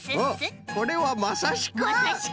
これはまさしく。